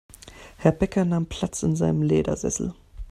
Herr Bäcker nahm Platz in seinem Ledersessel.